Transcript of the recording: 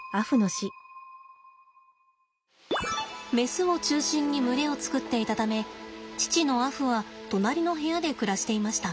メスを中心に群れを作っていたため父のアフは隣の部屋で暮らしていました。